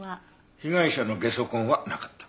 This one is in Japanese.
被害者のゲソ痕はなかった。